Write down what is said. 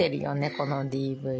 このＤＶＤ。